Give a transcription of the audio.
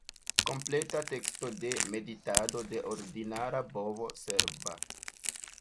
Kompleta teksto de "Meditado de ordinara bovo serba"